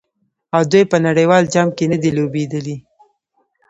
آیا دوی په نړیوال جام کې نه دي لوبېدلي؟